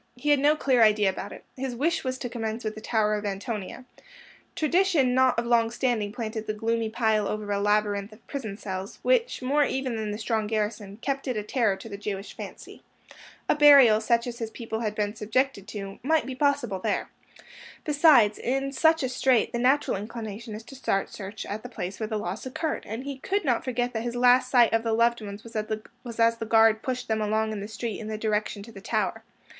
He had no clear idea about it. His wish was to commence with the Tower of Antonia. Tradition not of long standing planted the gloomy pile over a labyrinth of prison cells, which, more even than the strong garrison, kept it a terror to the Jewish fancy. A burial, such as his people had been subjected to, might be possible there. Besides, in such a strait, the natural inclination is to start search at the place where the loss occurred, and he could not forget that his last sight of the loved ones was as the guard pushed them along the street in the direction to the Tower.